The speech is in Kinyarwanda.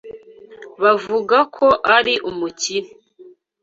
Bavuga ko ari umukire.